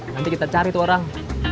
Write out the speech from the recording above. nanti kita cari tuh orang